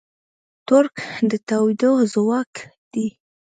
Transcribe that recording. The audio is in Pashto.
تورک د تاوېدو ځواک دی.